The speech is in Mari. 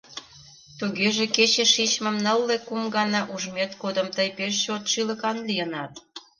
— Тугеже кече шичмым нылле кум гана ужмет годым тый пеш чот шӱлыкан лийынат?